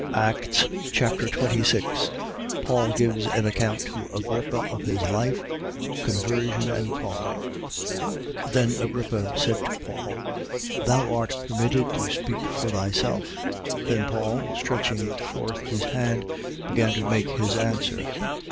Acts Chapter 26 Paul gives an account to Agrippa of his life, conversion and calling. 26:1. Then Agrippa said to Paul: Thou art permitted to speak for thyself. Then Paul, stretching forth his hand, began to make his answer.